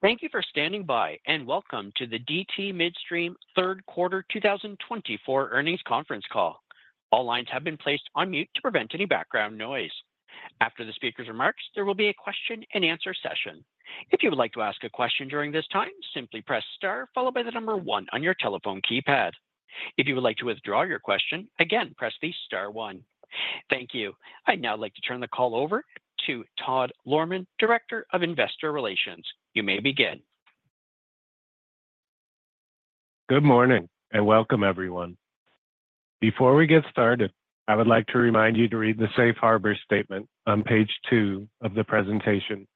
Thank you for standing by, and welcome to the DT Midstream Q3 2024 earnings conference call. All lines have been placed on mute to prevent any background noise. After the speaker's remarks, there will be a question-and-answer session. If you would like to ask a question during this time, simply press * followed by the number one on your telephone keypad. If you would like to withdraw your question, again, press *1. Thank you. I'd now like to turn the call over to Todd Lohrmann, Director of Investor Relations. You may begin. Good morning, and welcome, everyone. Before we get started, I would like to remind you to read the Safe Harbor Statement on page 2 of the presentation,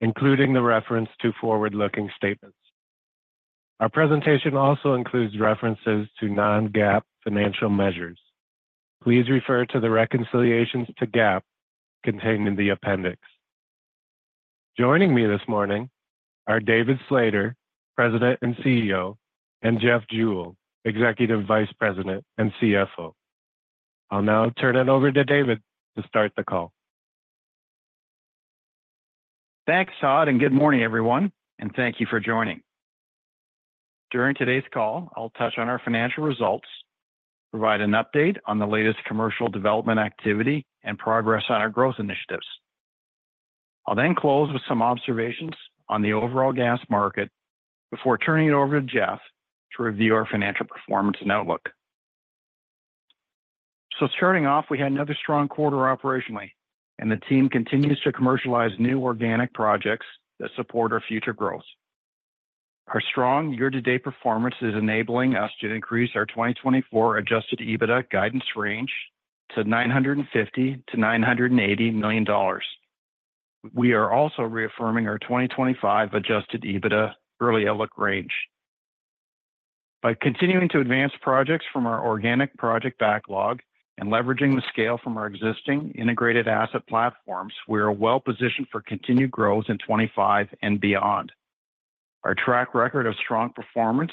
including the reference to forward-looking statements. Our presentation also includes references to non-GAAP financial measures. Please refer to the reconciliations to GAAP contained in the appendix. Joining me this morning are David Slater, President and CEO, and Jeff Jewell, Executive Vice President and CFO. I'll now turn it over to David to start the call. Thanks, Todd, and good morning, everyone, and thank you for joining. During today's call, I'll touch on our financial results, provide an update on the latest commercial development activity, and progress on our growth initiatives. I'll then close with some observations on the overall gas market before turning it over to Jeff to review our financial performance and outlook, so starting off, we had another strong quarter operationally, and the team continues to commercialize new organic projects that support our future growth. Our strong year-to-date performance is enabling us to increase our 2024 adjusted EBITDA guidance range to $950-$980 million. We are also reaffirming our 2025 adjusted EBITDA early outlook range. By continuing to advance projects from our organic project backlog and leveraging the scale from our existing integrated asset platforms, we are well-positioned for continued growth in 2025 and beyond. Our track record of strong performance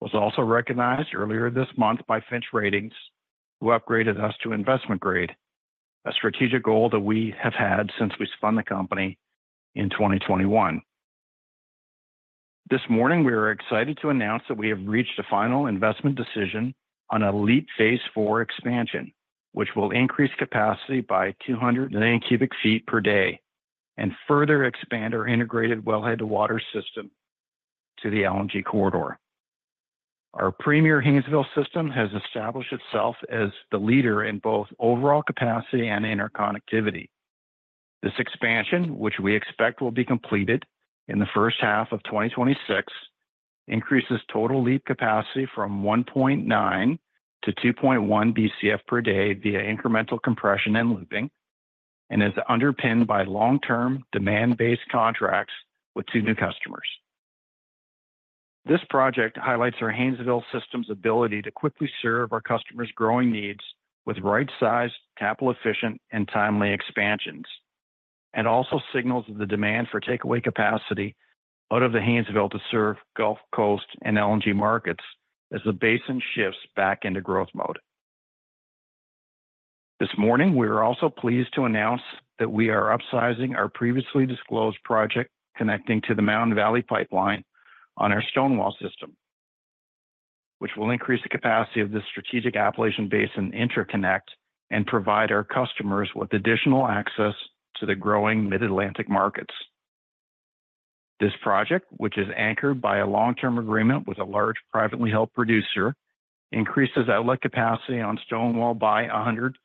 was also recognized earlier this month by Fitch Ratings, who upgraded us to investment grade, a strategic goal that we have had since we spun the company in 2021. This morning, we are excited to announce that we have reached a final investment decision on a LEAP Phase 4 expansion, which will increase capacity by 200 million cubic feet per day and further expand our integrated wellhead to water system to the LNG corridor. Our premier Haynesville system has established itself as the leader in both overall capacity and interconnectivity. This expansion, which we expect will be completed in the first half of 2026, increases total LEAP capacity from 1.9 to 2.1 Bcf per day via incremental compression and looping, and is underpinned by long-term demand-based contracts with two new customers. This project highlights our Haynesville system's ability to quickly serve our customers' growing needs with right-sized, capital-efficient, and timely expansions, and also signals the demand for takeaway capacity out of the Haynesville to serve Gulf Coast and LNG markets as the basin shifts back into growth mode. This morning, we are also pleased to announce that we are upsizing our previously disclosed project connecting to the Mountain Valley Pipeline on our Stonewall system, which will increase the capacity of the strategic Appalachian Basin interconnect and provide our customers with additional access to the growing Mid-Atlantic markets. This project, which is anchored by a long-term agreement with a large privately held producer, increases outlet capacity on Stonewall by 100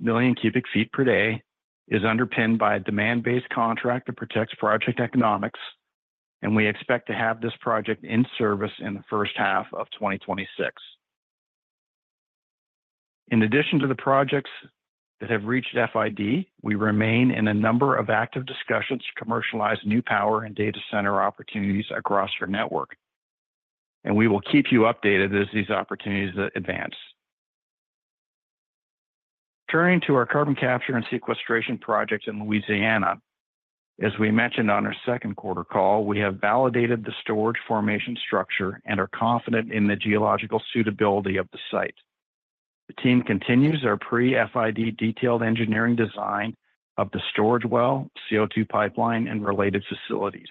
million cubic feet per day, is underpinned by a demand-based contract that protects project economics, and we expect to have this project in service in the first half of 2026. In addition to the projects that have reached FID, we remain in a number of active discussions to commercialize new power and data center opportunities across our network, and we will keep you updated as these opportunities advance. Turning to our carbon capture and sequestration project in Louisiana, as we mentioned on our Q2 call, we have validated the storage formation structure and are confident in the geological suitability of the site. The team continues our pre-FID detailed engineering design of the storage well, CO2 pipeline, and related facilities.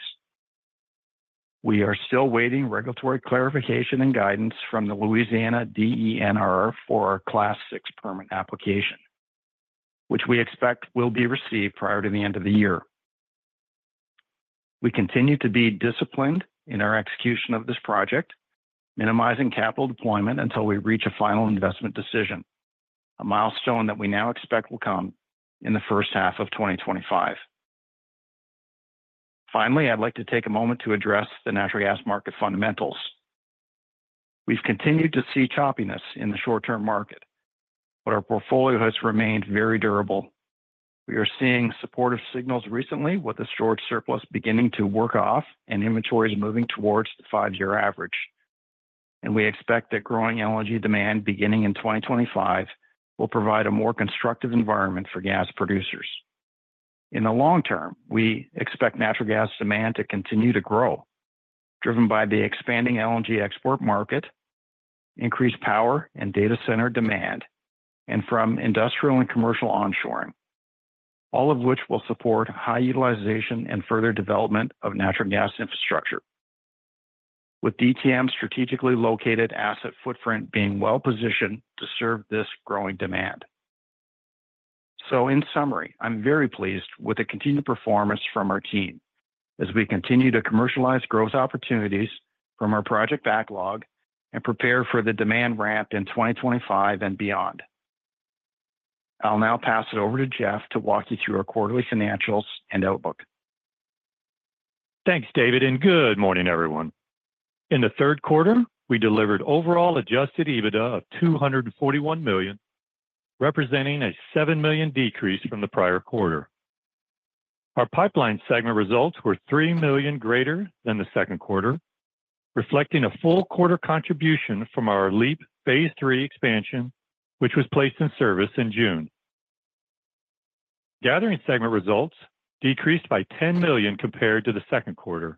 We are still awaiting regulatory clarification and guidance from the Louisiana DENR for our Class VI permit application, which we expect will be received prior to the end of the year. We continue to be disciplined in our execution of this project, minimizing capital deployment until we reach a final investment decision, a milestone that we now expect will come in the first half of 2025. Finally, I'd like to take a moment to address the natural gas market fundamentals. We've continued to see choppiness in the short-term market, but our portfolio has remained very durable. We are seeing supportive signals recently, with the storage surplus beginning to work off and inventories moving towards the five-year average, and we expect that growing LNG demand beginning in 2025 will provide a more constructive environment for gas producers. In the long term, we expect natural gas demand to continue to grow, driven by the expanding LNG export market, increased power and data center demand, and from industrial and commercial onshoring, all of which will support high utilization and further development of natural gas infrastructure, with DTM's strategically located asset footprint being well-positioned to serve this growing demand. So, in summary, I'm very pleased with the continued performance from our team as we continue to commercialize growth opportunities from our project backlog and prepare for the demand ramp in 2025 and beyond. I'll now pass it over to Jeff to walk you through our quarterly financials and outlook. Thanks, David, and good morning, everyone. In Q3, we delivered overall Adjusted EBITDA of $241 million, representing a $7 million decrease from the prior quarter. Our pipeline segment results were $3 million greater than Q2, reflecting a full quarter contribution from our LEAP Phase 3 expansion, which was placed in service in June. Gathering segment results decreased by $10 million compared to Q2,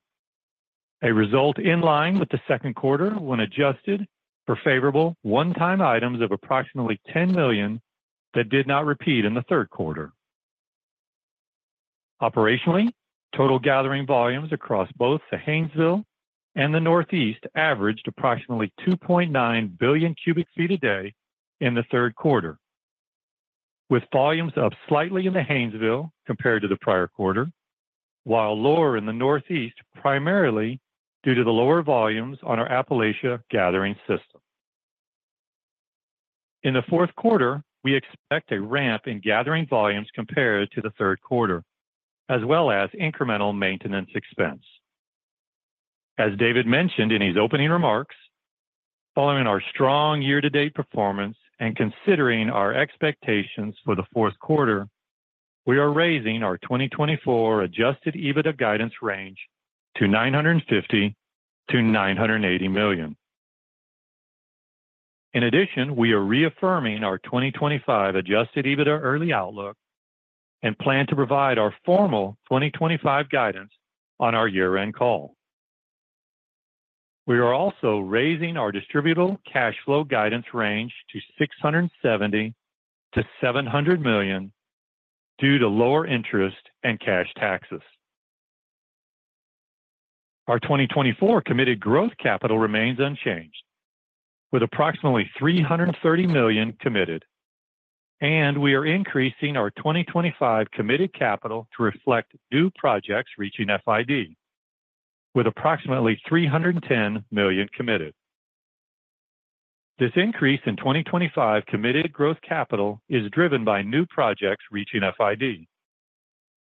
a result in line with Q2 when adjusted for favorable one-time items of approximately $10 million that did not repeat in Q3. Operationally, total gathering volumes across both the Haynesville and the Northeast averaged approximately 2.9 billion cubic feet a day in Q3, with volumes up slightly in the Haynesville compared to Q4, while lower in the Northeast primarily due to the lower volumes on our Appalachia gathering system. In Q4, we expect a ramp in gathering volumes compared to Q3, as well as incremental maintenance expense. As David mentioned in his opening remarks, following our strong year-to-date performance and considering our expectations for Q4, we are raising our 2024 Adjusted EBITDA guidance range to $950-$980 million. In addition, we are reaffirming our 2025 Adjusted EBITDA early outlook and plan to provide our formal 2025 guidance on our year-end call. We are also raising our distributable cash flow guidance range to $670-$700 million due to lower interest and cash taxes. Our 2024 committed growth capital remains unchanged, with approximately $330 million committed, and we are increasing our 2025 committed capital to reflect new projects reaching FID, with approximately $310 million committed. This increase in 2025 committed growth capital is driven by new projects reaching FID,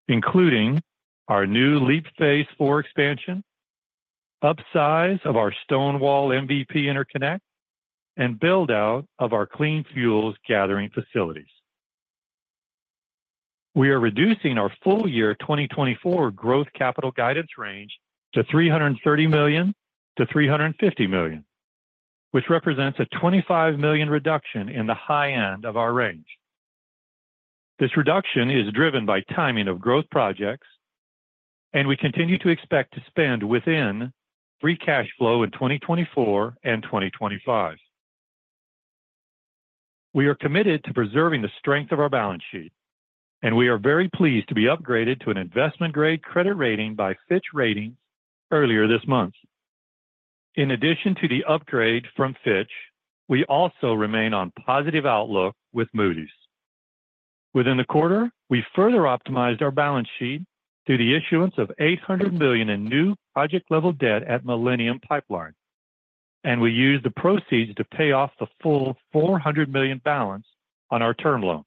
including our new LEAP Phase 4 expansion, upsize of our Stonewall MVP interconnect, and build-out of our Clean Fuels gathering facilities. We are reducing our full-year 2024 growth capital guidance range to $330 million-$350 million, which represents a $25 million reduction in the high end of our range. This reduction is driven by timing of growth projects, and we continue to expect to spend within free cash flow in 2024 and 2025. We are committed to preserving the strength of our balance sheet, and we are very pleased to be upgraded to an investment-grade credit rating by Fitch Ratings earlier this month. In addition to the upgrade from Fitch, we also remain on positive outlook with Moody's. Within the quarter, we further optimized our balance sheet through the issuance of $800 million in new project-level debt at Millennium Pipeline, and we used the proceeds to pay off the full $400 million balance on our term loan.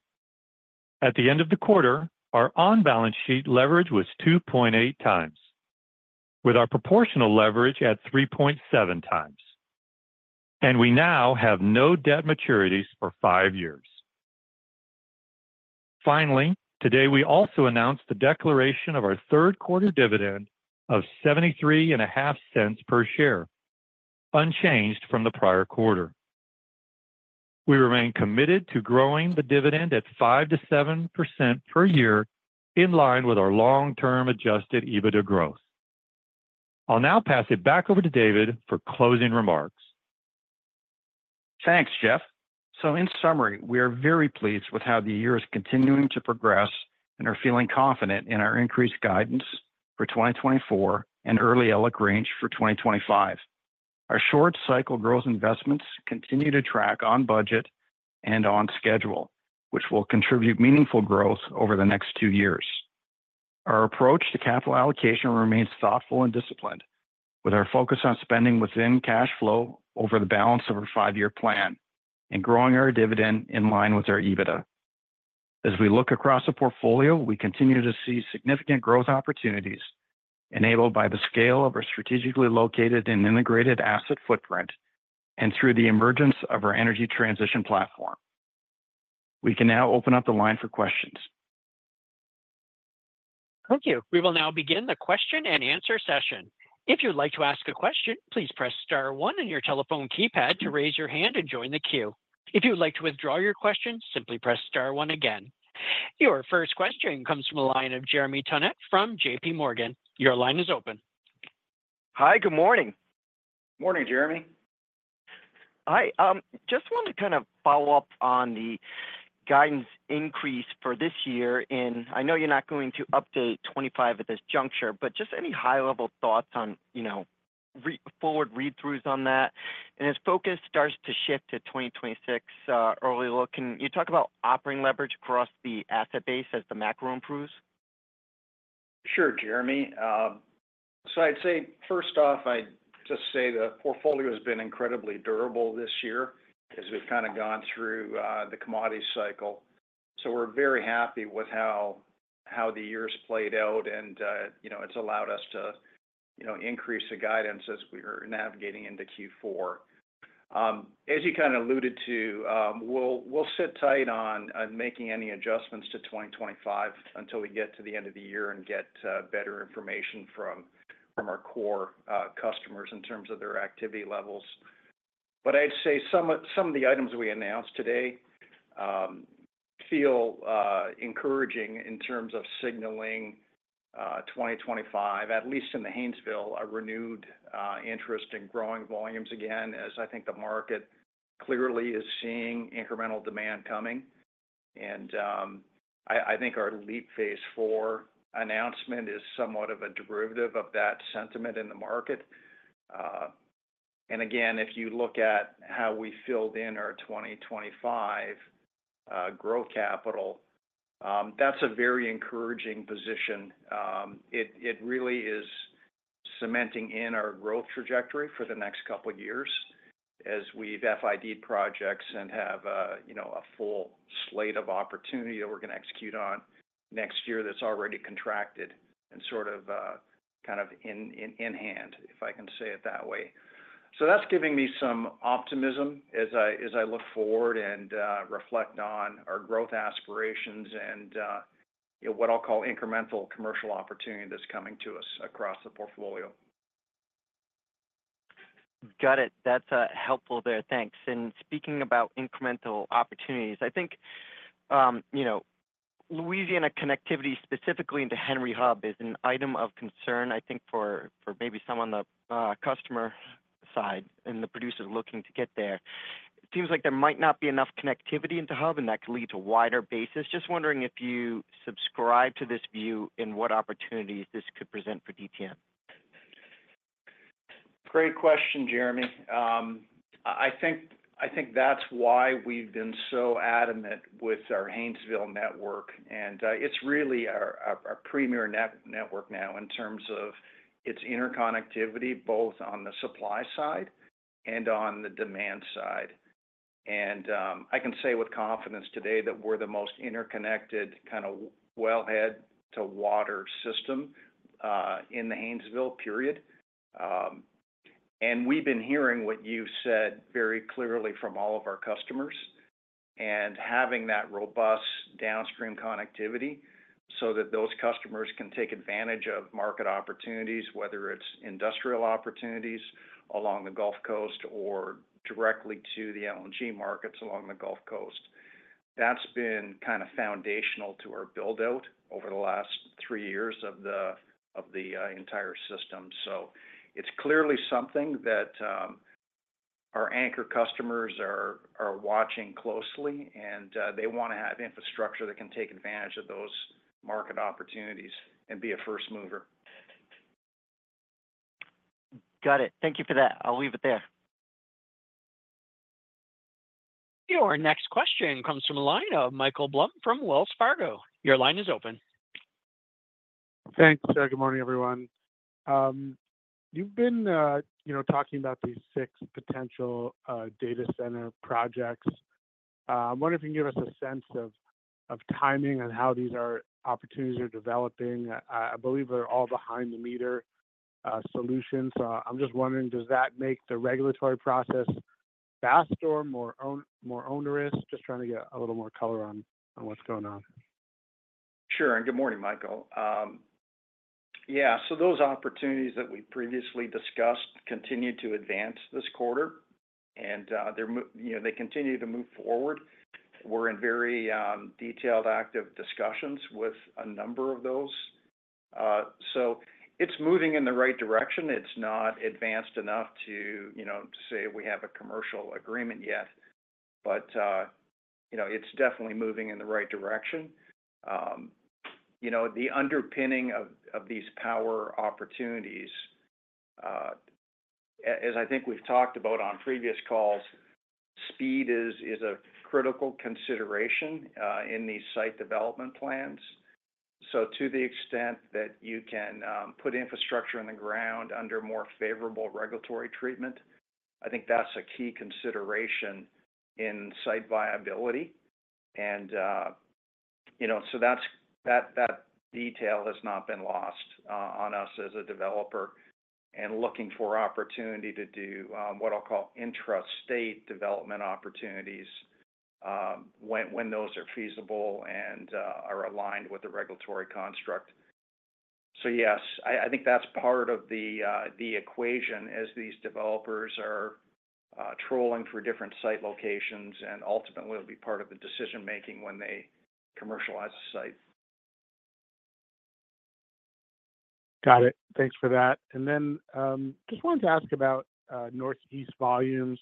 At the end of the quarter, our on-balance sheet leverage was 2.8 times, with our proportional leverage at 3.7 times, and we now have no debt maturities for five years. Finally, today we also announced the declaration of our Q3 dividend of $0.73 per share, unchanged from Q4. We remain committed to growing the dividend at 5%-7% per year, in line with our long-term adjusted EBITDA growth. I'll now pass it back over to David for closing remarks. Thanks, Jeff. So, in summary, we are very pleased with how the year is continuing to progress and are feeling confident in our increased guidance for 2024 and early outlook range for 2025. Our short-cycle growth investments continue to track on budget and on schedule, which will contribute meaningful growth over the next two years. Our approach to capital allocation remains thoughtful and disciplined, with our focus on spending within cash flow over the balance of our five-year plan and growing our dividend in line with our EBITDA. As we look across the portfolio, we continue to see significant growth opportunities enabled by the scale of our strategically located and integrated asset footprint and through the emergence of our energy transition platform. We can now open up the line for questions. Thank you. We will now begin the question and answer session. If you'd like to ask a question, please press star 1 on your telephone keypad to raise your hand and join the queue. If you'd like to withdraw your question, simply press star 1 again. Your first question comes from the line of Jeremy Tonet from JPMorgan. Your line is open. Hi, good morning. Morning, Jeremy. Hi. Just wanted to kind of follow up on the guidance increase for this year, and I know you're not going to update 2025 at this juncture, but just any high-level thoughts on, you know, forward read-throughs on that? And as focus starts to shift to 2026 early look, can you talk about operating leverage across the asset base as the macro improves? Sure, Jeremy. So I'd say, first off, I'd just say the portfolio has been incredibly durable this year as we've kind of gone through the commodity cycle. So we're very happy with how the year has played out, and, you know, it's allowed us to, you know, increase the guidance as we are navigating into Q4. As you kind of alluded to, we'll sit tight on making any adjustments to 2025 until we get to the end of the year and get better information from our core customers in terms of their activity levels. But I'd say some of the items we announced today feel encouraging in terms of signaling 2025, at least in the Haynesville, a renewed interest in growing volumes again, as I think the market clearly is seeing incremental demand coming. I think our LEAP Phase 4 announcement is somewhat of a derivative of that sentiment in the market. Again, if you look at how we filled in our 2025 growth capital, that's a very encouraging position. It really is cementing in our growth trajectory for the next couple of years as we have FID projects and have, you know, a full slate of opportunity that we're going to execute on next year that's already contracted and sort of kind of in hand, if I can say it that way. That's giving me some optimism as I look forward and reflect on our growth aspirations and, you know, what I'll call incremental commercial opportunity that's coming to us across the portfolio. Got it. That's helpful there. Thanks. And speaking about incremental opportunities, I think, you know, Louisiana connectivity specifically into Henry Hub is an item of concern, I think, for maybe some on the customer side and the producers looking to get there. It seems like there might not be enough connectivity into Hub, and that could lead to wider bases. Just wondering if you subscribe to this view and what opportunities this could present for DTM. Great question, Jeremy. I think that's why we've been so adamant with our Haynesville network, and it's really our premier network now in terms of its interconnectivity, both on the supply side and on the demand side, and I can say with confidence today that we're the most interconnected, kind of wellhead to water system in the Haynesville, period, and we've been hearing what you've said very clearly from all of our customers, and having that robust downstream connectivity so that those customers can take advantage of market opportunities, whether it's industrial opportunities along the Gulf Coast or directly to the LNG markets along the Gulf Coast, that's been kind of foundational to our build-out over the last three years of the entire system. It's clearly something that our anchor customers are watching closely, and they want to have infrastructure that can take advantage of those market opportunities and be a first mover. Got it. Thank you for that. I'll leave it there. Your next question comes from a line of Michael Blum from Wells Fargo. Your line is open. Thanks, good morning, everyone. You've been, you know, talking about these six potential data center projects. I wonder if you can give us a sense of timing on how these opportunities are developing. I believe they're all behind-the-meter solutions. So I'm just wondering, does that make the regulatory process faster or more onerous? Just trying to get a little more color on what's going on. Sure and good morning, Michael. Yeah, so those opportunities that we previously discussed continue to advance this quarter, and they continue to move forward. We're in very detailed, active discussions with a number of those. So it's moving in the right direction. It's not advanced enough to, you know, say we have a commercial agreement yet, but, you know, it's definitely moving in the right direction. You know, the underpinning of these power opportunities, as I think we've talked about on previous calls, speed is a critical consideration in these site development plans. So to the extent that you can put infrastructure in the ground under more favorable regulatory treatment, I think that's a key consideration in site viability. You know, so that detail has not been lost on us as a developer and looking for opportunity to do what I'll call intra-state development opportunities when those are feasible and are aligned with the regulatory construct. Yes, I think that's part of the equation as these developers are trawling for different site locations and ultimately will be part of the decision-making when they commercialize the site. Got it. Thanks for that. And then just wanted to ask about Northeast volumes.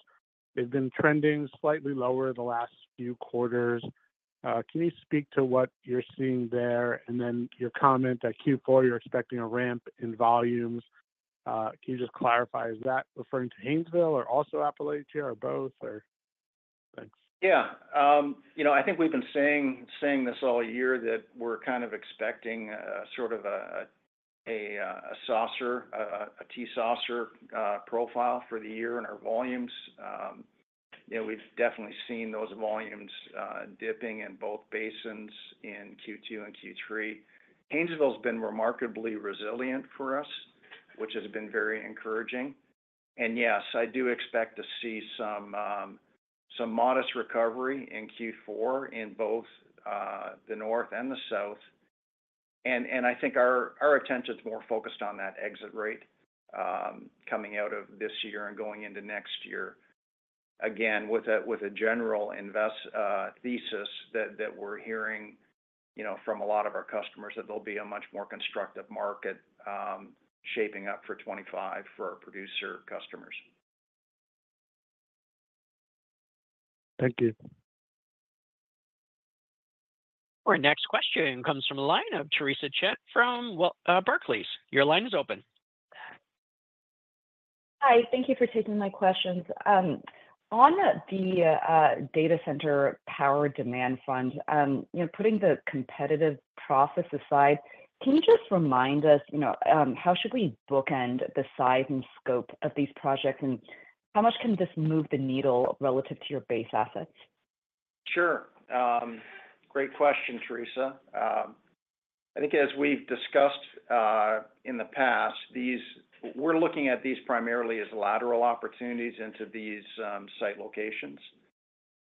They've been trending slightly lower the last few quarters. Can you speak to what you're seeing there? And then your comment that Q4 you're expecting a ramp in volumes. Can you just clarify, is that referring to Haynesville or also Appalachia or both? Thanks. Yeah. You know, I think we've been saying this all year that we're kind of expecting sort of a saucer, a T-saucer profile for the year in our volumes. You know, we've definitely seen those volumes dipping in both basins in Q2 and Q3. Haynesville has been remarkably resilient for us, which has been very encouraging. And yes, I do expect to see some modest recovery in Q4 in both the north and the south. And I think our attention is more focused on that exit rate coming out of this year and going into next year, again, with a general thesis that we're hearing, you know, from a lot of our customers that there'll be a much more constructive market shaping up for '25 for our producer customers. Thank you. Our next question comes from a line of Theresa Chen from Barclays. Your line is open. Hi, thank you for taking my questions. On the data center power demand fund, you know, putting the competitive process aside, can you just remind us, you know, how should we bookend the size and scope of these projects and how much can this move the needle relative to your base assets? Sure. Great question, Theresa. I think as we've discussed in the past, we're looking at these primarily as lateral opportunities into these site locations.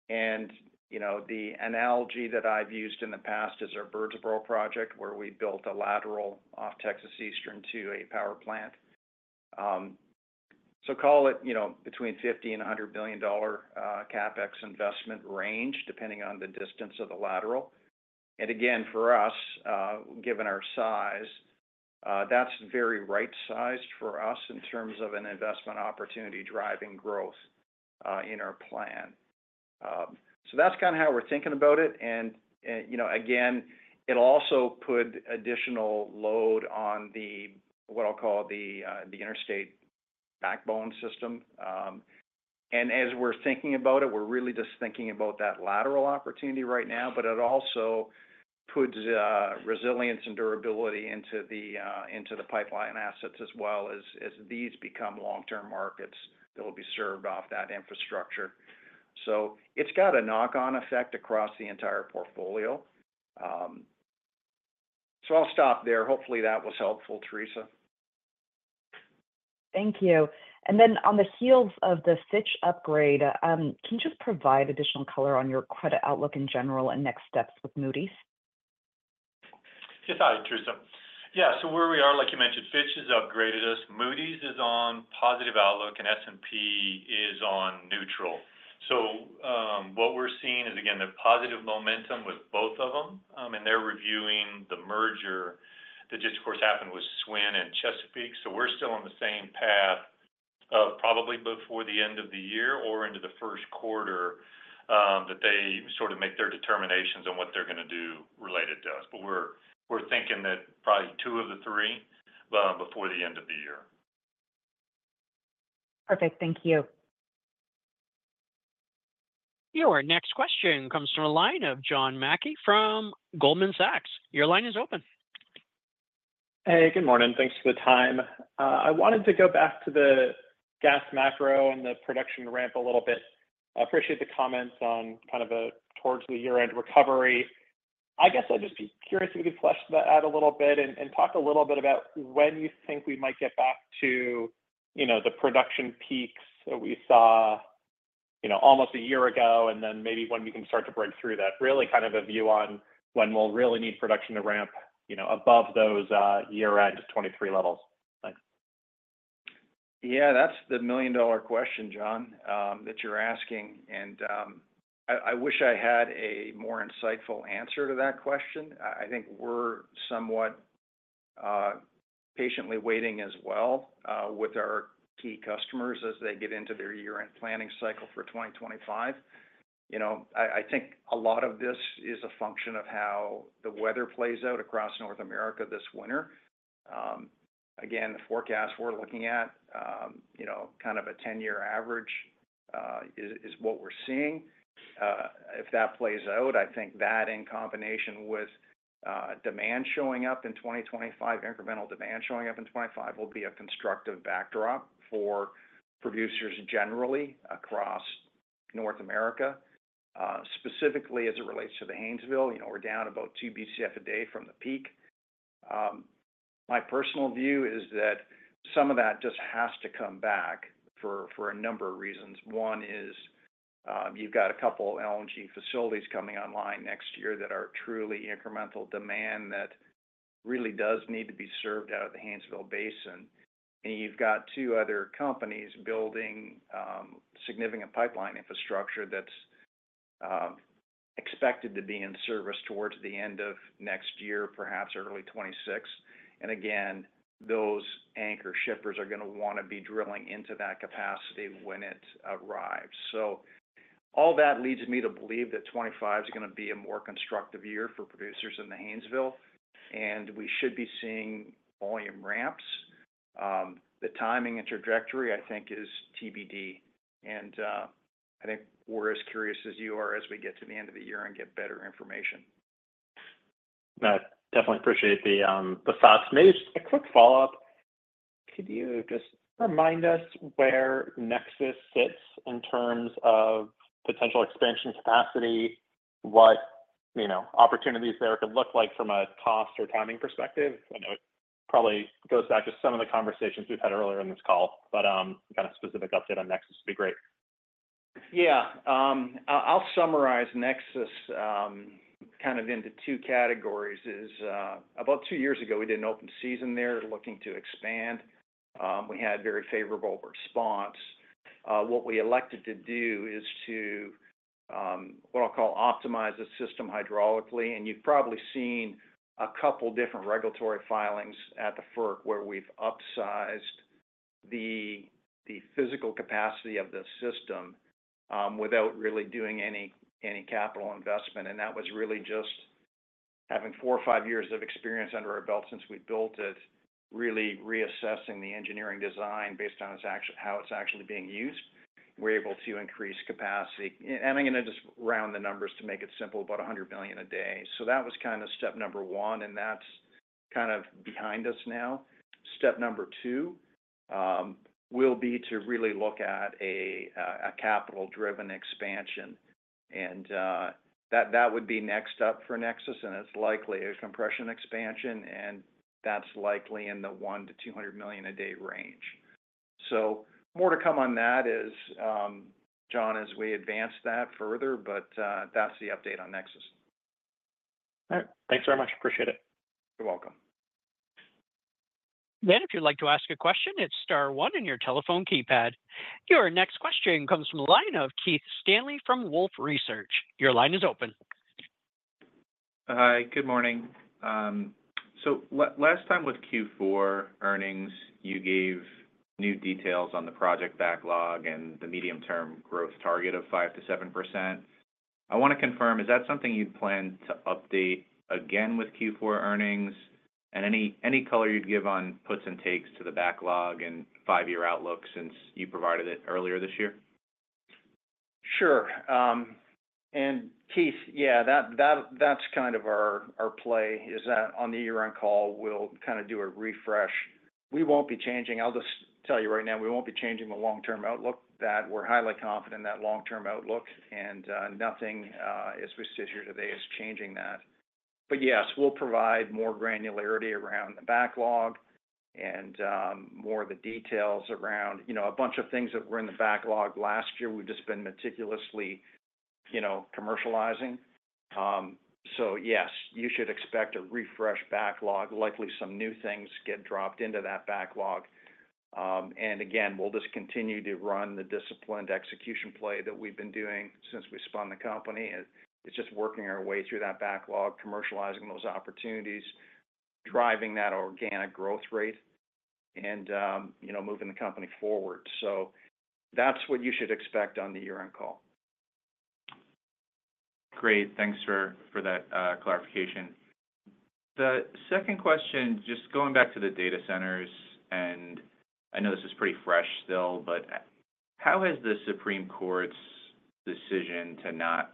And, you know, the analogy that I've used in the past is our Birdsboro project where we built a lateral off Texas Eastern to a power plant. So call it, you know, between $50 billion-$100 billion CapEx investment range, depending on the distance of the lateral. And again, for us, given our size, that's very right-sized for us in terms of an investment opportunity driving growth in our plan. So that's kind of how we're thinking about it. And, you know, again, it'll also put additional load on the, what I'll call, the interstate backbone system. As we're thinking about it, we're really just thinking about that lateral opportunity right now, but it also puts resilience and durability into the pipeline assets as well as these become long-term markets that will be served off that infrastructure. So it's got a knock-on effect across the entire portfolio. So I'll stop there. Hopefully that was helpful, Theresa. Thank you. And then on the heels of the Fitch upgrade, can you just provide additional color on your credit outlook in general and next steps with Moody's? Just hi, Theresa. Yeah, so where we are, like you mentioned, Fitch has upgraded us. Moody's is on positive outlook, and S&P is on neutral. So what we're seeing is, again, the positive momentum with both of them, and they're reviewing the merger that just, of course, happened with Southwestern and Chesapeake. So we're still on the same path of probably before the end of the year or into the first quarter that they sort of make their determinations on what they're going to do related to us. But we're thinking that probably two of the three before the end of the year. Perfect. Thank you. Your next question comes from a line of John Mackey from Goldman Sachs. Your line is open. Hey, good morning. Thanks for the time. I wanted to go back to the gas macro and the production ramp a little bit. I appreciate the comments on kind of a towards the year-end recovery. I guess I'd just be curious if we could flesh that out a little bit and talk a little bit about when you think we might get back to, you know, the production peaks that we saw, you know, almost a year ago, and then maybe when we can start to break through that, really kind of a view on when we'll really need production to ramp, you know, above those year-end 2023 levels? Thanks. Yeah, that's the million-dollar question, John, that you're asking, and I wish I had a more insightful answer to that question. I think we're somewhat patiently waiting as well with our key customers as they get into their year-end planning cycle for 2025. You know, I think a lot of this is a function of how the weather plays out across North America this winter. Again, the forecast we're looking at, you know, kind of a 10-year average is what we're seeing. If that plays out, I think that in combination with demand showing up in 2025, incremental demand showing up in 2025 will be a constructive backdrop for producers generally across North America, specifically as it relates to the Haynesville. You know, we're down about two BCF a day from the peak. My personal view is that some of that just has to come back for a number of reasons. One is you've got a couple of LNG facilities coming online next year that are truly incremental demand that really does need to be served out of the Haynesville basin, and you've got two other companies building significant pipeline infrastructure that's expected to be in service towards the end of next year, perhaps early 2026. Again, those anchor shippers are going to want to be drilling into that capacity when it arrives, so all that leads me to believe that 2025 is going to be a more constructive year for producers in the Haynesville, and we should be seeing volume ramps. The timing and trajectory, I think, is TBD, and I think we're as curious as you are as we get to the end of the year and get better information. Definitely appreciate the thoughts. Maybe just a quick follow-up. Could you just remind us where NEXUS sits in terms of potential expansion capacity, what, you know, opportunities there could look like from a cost or timing perspective? I know it probably goes back to some of the conversations we've had earlier in this call, but kind of specific update on NEXUS would be great. Yeah. I'll summarize Nexus kind of into two categories. About two years ago, we did an open season there looking to expand. We had very favorable response. What we elected to do is to, what I'll call, optimize the system hydraulically, and you've probably seen a couple of different regulatory filings at the FERC where we've upsized the physical capacity of the system without really doing any capital investment, and that was really just having four or five years of experience under our belt since we built it, really reassessing the engineering design based on how it's actually being used. We're able to increase capacity, and I'm going to just round the numbers to make it simple, about 100 million a day. That was kind of step number one, and that's kind of behind us now. Step number two will be to really look at a capital-driven expansion. That would be next up for NEXUS, and it's likely a compression expansion, and that's likely in the $1-$200 million a day range. So more to come on that, John, as we advance that further, but that's the update on NEXUS. All right. Thanks very much. Appreciate it. You're welcome. Then, if you'd like to ask a question, it's star one in your telephone keypad. Your next question comes from a line of Keith Stanley from Wolfe Research. Your line is open. Hi, good morning. So last time with Q4 earnings, you gave new details on the project backlog and the medium-term growth target of 5%-7%. I want to confirm, is that something you'd plan to update again with Q4 earnings? And any color you'd give on puts and takes to the backlog and five-year outlook since you provided it earlier this year? Sure. And Keith, yeah, that's kind of our play is that on the year-end call, we'll kind of do a refresh. We won't be changing. I'll just tell you right now, we won't be changing the long-term outlook. We're highly confident in that long-term outlook, and nothing, as we sit here today, is changing that. But yes, we'll provide more granularity around the backlog and more of the details around, you know, a bunch of things that were in the backlog last year we've just been meticulously, you know, commercializing. So yes, you should expect a refresh backlog. Likely, some new things get dropped into that backlog. And again, we'll just continue to run the disciplined execution play that we've been doing since we spun the company. It's just working our way through that backlog, commercializing those opportunities, driving that organic growth rate, and, you know, moving the company forward. That's what you should expect on the year-end call. Great. Thanks for that clarification. The second question, just going back to the data centers, and I know this is pretty fresh still, but how has the Supreme Court's decision to not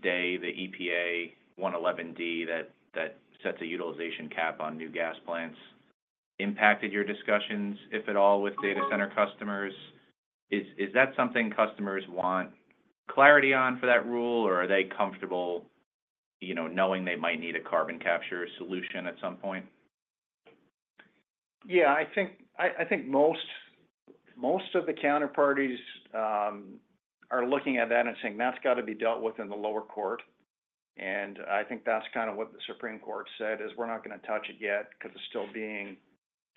stay the EPA 111(d) that sets a utilization cap on new gas plants impacted your discussions, if at all, with data center customers? Is that something customers want clarity on for that rule, or are they comfortable, you know, knowing they might need a carbon capture solution at some point? Yeah, I think most of the counterparties are looking at that and saying, "That's got to be dealt with in the lower court." And I think that's kind of what the Supreme Court said is, "We're not going to touch it yet because it's still being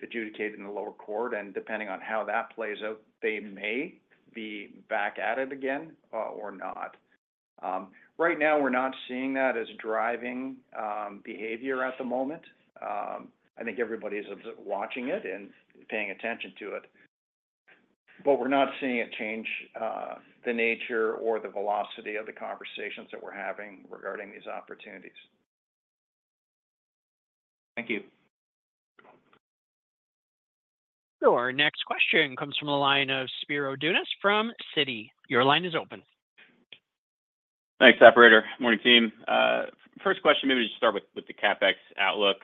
adjudicated in the lower court." And depending on how that plays out, they may be back at it again or not. Right now, we're not seeing that as driving behavior at the moment. I think everybody's watching it and paying attention to it. But we're not seeing it change the nature or the velocity of the conversations that we're having regarding these opportunities. Thank you. Our next question comes from a line of Spiro Dounis from Citi. Your line is open. Thanks, operator. Morning, team. First question, maybe just start with the CapEx outlook.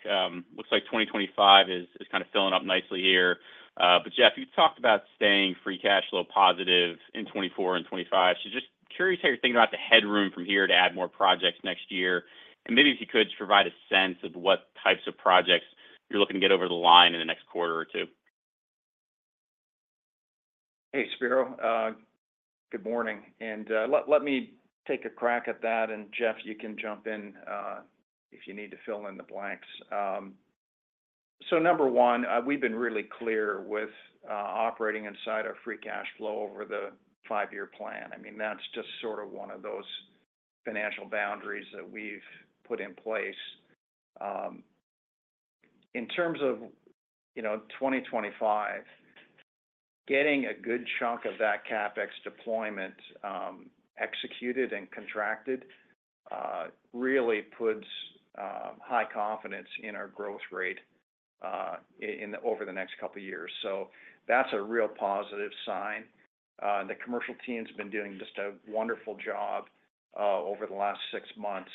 Looks like 2025 is kind of filling up nicely here. But Jeff, you talked about staying free cash flow positive in 2024 and 2025. So just curious how you're thinking about the headroom from here to add more projects next year. And maybe if you could just provide a sense of what types of projects you're looking to get over the line in the next quarter or two. Hey, Spiro. Good morning, and let me take a crack at that, and Jeff, you can jump in if you need to fill in the blanks. So number one, we've been really clear with operating inside our free cash flow over the five-year plan. I mean, that's just sort of one of those financial boundaries that we've put in place. In terms of, you know, 2025, getting a good chunk of that CapEx deployment executed and contracted really puts high confidence in our growth rate over the next couple of years. So that's a real positive sign. The commercial team's been doing just a wonderful job over the last six months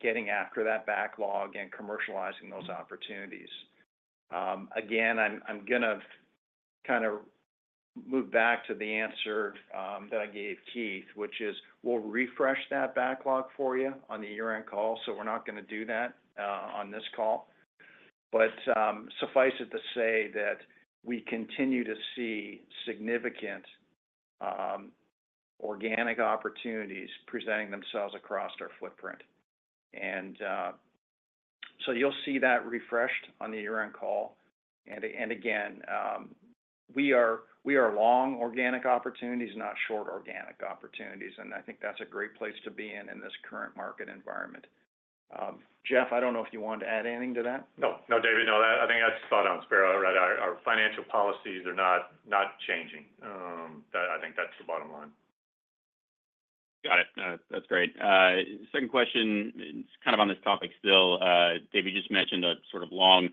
getting after that backlog and commercializing those opportunities. Again, I'm going to kind of move back to the answer that I gave Keith, which is we'll refresh that backlog for you on the year-end call. So we're not going to do that on this call. But suffice it to say that we continue to see significant organic opportunities presenting themselves across our footprint. And so you'll see that refreshed on the year-end call. And again, we are long organic opportunities, not short organic opportunities. And I think that's a great place to be in this current market environment. Jeff, I don't know if you wanted to add anything to that. No, no, David, no. I think I just thought on Spiro, right? Our financial policies are not changing. I think that's the bottom line. Got it. That's great. Second question, kind of on this topic still. David just mentioned a sort of long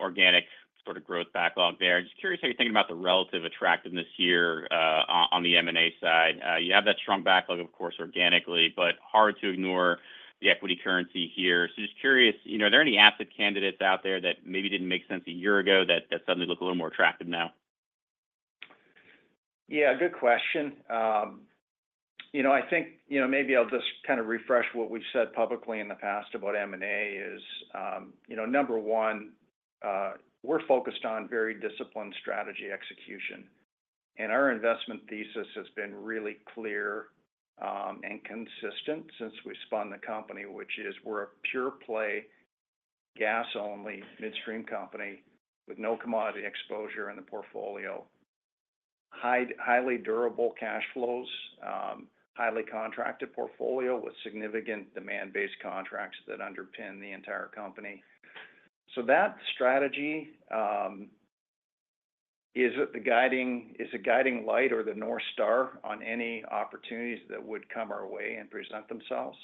organic sort of growth backlog there. I'm just curious how you're thinking about the relative attractiveness here on the M&A side. You have that strong backlog, of course, organically, but hard to ignore the equity currency here. So just curious, you know, are there any asset candidates out there that maybe didn't make sense a year ago that suddenly look a little more attractive now? Yeah, good question. You know, I think, you know, maybe I'll just kind of refresh what we've said publicly in the past about M&A is, you know, number one, we're focused on very disciplined strategy execution, and our investment thesis has been really clear and consistent since we spun the company, which is we're a pure-play gas-only midstream company with no commodity exposure in the portfolio, highly durable cash flows, highly contracted portfolio with significant demand-based contracts that underpin the entire company, so that strategy is the guiding light or the North Star on any opportunities that would come our way and present themselves,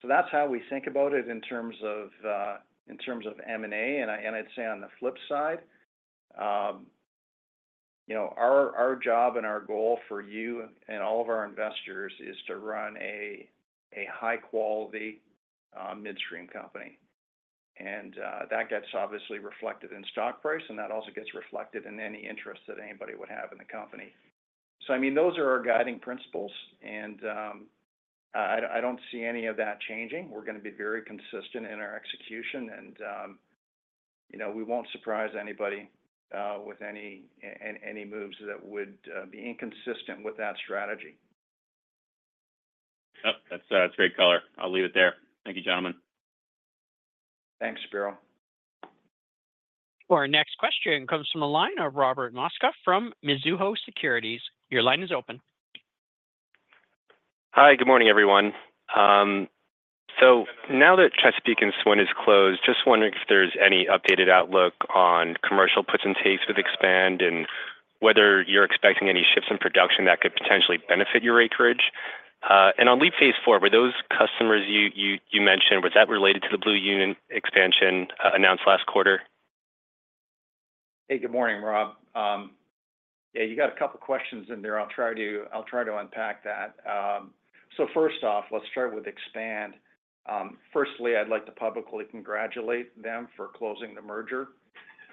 so that's how we think about it in terms of M&A, and I'd say on the flip side, you know, our job and our goal for you and all of our investors is to run a high-quality midstream company. And that gets obviously reflected in stock price, and that also gets reflected in any interest that anybody would have in the company. So I mean, those are our guiding principles. And I don't see any of that changing. We're going to be very consistent in our execution. And, you know, we won't surprise anybody with any moves that would be inconsistent with that strategy. Yep. That's great color. I'll leave it there. Thank you, gentlemen. Thanks, Spiro. Our next question comes from a line of Robert Mosca from Mizuho Securities. Your line is open. Hi, good morning, everyone. So now that Chesapeake and Southwestern is closed, just wondering if there's any updated outlook on commercial puts and takes with Expand and whether you're expecting any shifts in production that could potentially benefit your acreage. And on LEAP Phase 4, were those customers you mentioned, was that related to the Blue Union expansion announced last quarter? Hey, good morning, Rob. Yeah, you got a couple of questions in there. I'll try to unpack that. So first off, let's start with Expand. Firstly, I'd like to publicly congratulate them for closing the merger.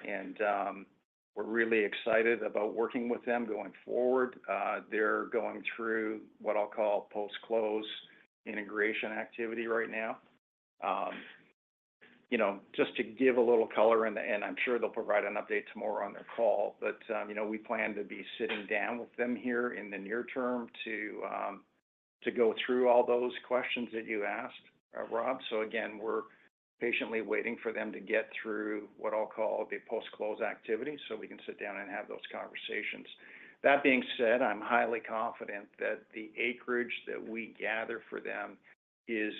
And we're really excited about working with them going forward. They're going through what I'll call post-close integration activity right now. You know, just to give a little color, and I'm sure they'll provide an update tomorrow on their call, but, you know, we plan to be sitting down with them here in the near term to go through all those questions that you asked, Rob. So again, we're patiently waiting for them to get through what I'll call the post-close activity so we can sit down and have those conversations. That being said, I'm highly confident that the acreage that we gather for them is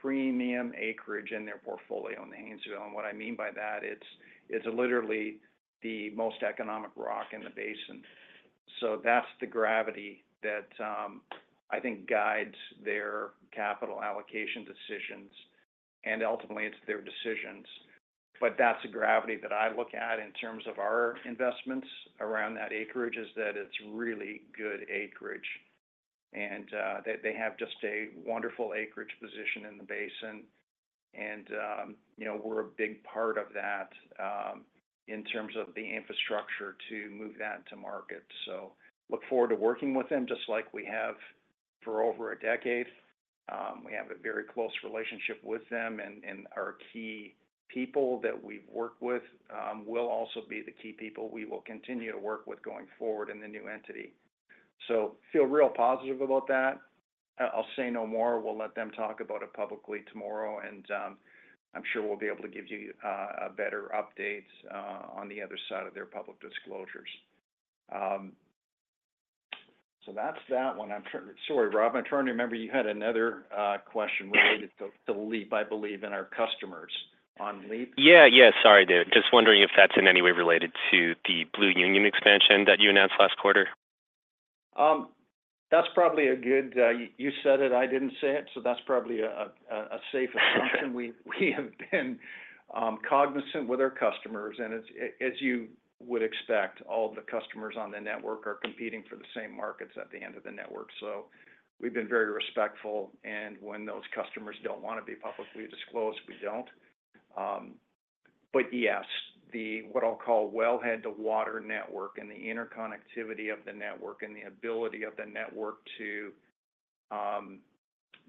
premium acreage in their portfolio in the Haynesville. And what I mean by that, it's literally the most economic rock in the basin. So that's the gravity that I think guides their capital allocation decisions. And ultimately, it's their decisions. But that's the gravity that I look at in terms of our investments around that acreage is that it's really good acreage. And they have just a wonderful acreage position in the basin. And, you know, we're a big part of that in terms of the infrastructure to move that to market. So look forward to working with them just like we have for over a decade. We have a very close relationship with them, and our key people that we've worked with will also be the key people we will continue to work with going forward in the new entity. So feel real positive about that. I'll say no more. We'll let them talk about it publicly tomorrow. And I'm sure we'll be able to give you better updates on the other side of their public disclosures. So that's that one. I'm sorry, Rob. I'm trying to remember you had another question related to LEAP, I believe, and our customers on LEAP. Yeah, yeah. Sorry, David. Just wondering if that's in any way related to the Blue Union expansion that you announced last quarter. That's probably a good, you said it, I didn't say it. So that's probably a safe assumption. We have been cognizant with our customers. And as you would expect, all the customers on the network are competing for the same markets at the end of the network. So we've been very respectful. And when those customers don't want to be publicly disclosed, we don't. But yes, the what I'll call wellhead to water network and the interconnectivity of the network and the ability of the network to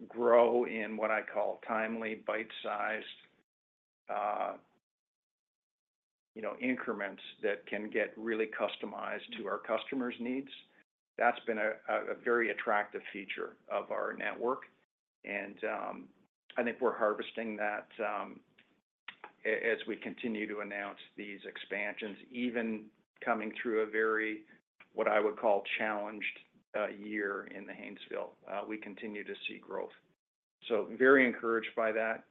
grow in what I call timely bite-sized, you know, increments that can get really customized to our customers' needs, that's been a very attractive feature of our network. And I think we're harvesting that as we continue to announce these expansions, even coming through a very, what I would call, challenged year in the Haynesville. We continue to see growth. So very encouraged by that.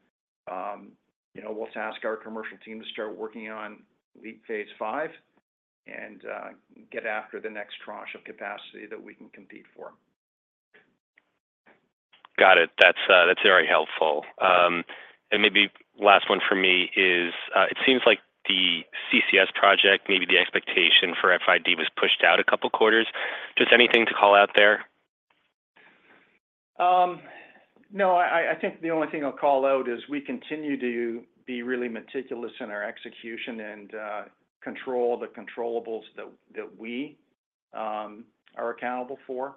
You know, we'll ask our commercial team to start working on LEAP Phase 5 and get after the next tranche of capacity that we can compete for. Got it. That's very helpful. And maybe last one for me is it seems like the CCS project, maybe the expectation for FID was pushed out a couple of quarters. Just anything to call out there? No, I think the only thing I'll call out is we continue to be really meticulous in our execution and control the controllables that we are accountable for.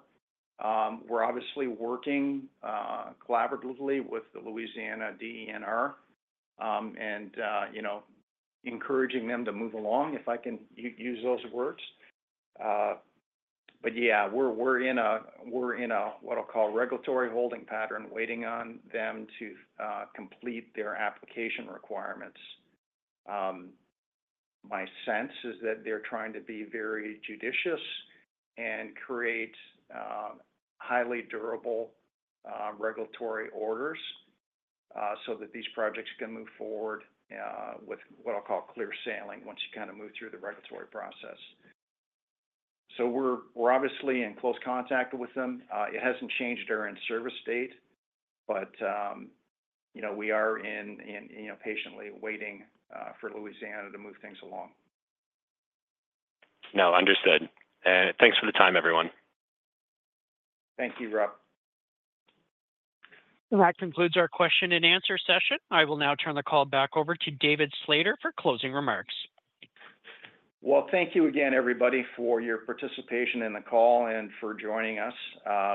We're obviously working collaboratively with the Louisiana DENR and, you know, encouraging them to move along, if I can use those words. But yeah, we're in a what I'll call regulatory holding pattern, waiting on them to complete their application requirements. My sense is that they're trying to be very judicious and create highly durable regulatory orders so that these projects can move forward with what I'll call clear sailing once you kind of move through the regulatory process. So we're obviously in close contact with them. It hasn't changed our end service date. But, you know, we are in, you know, patiently waiting for Louisiana to move things along. No, understood. And thanks for the time, everyone. Thank you, Rob. That concludes our question and answer session. I will now turn the call back over to David Slater for closing remarks. Thank you again, everybody, for your participation in the call and for joining us.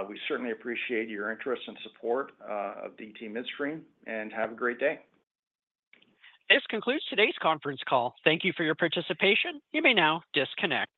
We certainly appreciate your interest and support of DT Midstream. Have a great day. This concludes today's conference call. Thank you for your participation. You may now disconnect.